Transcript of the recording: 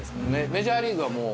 メジャーリーグはもう。